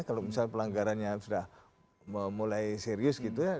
kalau misalnya pelanggarannya sudah mulai serius gitu ya